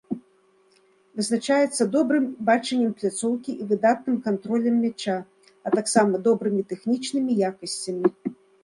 Вызначаецца добрым бачаннем пляцоўкі і выдатным кантролем мяча, а таксама добрымі тэхнічнымі якасцямі.